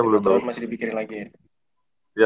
masih dibikin lagi ya